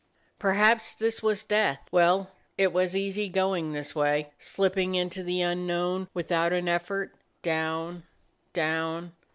Perhaps this was death; well, it was easy go ing this way, slipping into the unknown with out an effort — down — down.